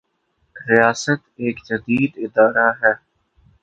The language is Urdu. ریاست ایک جدید ادارہ ہے۔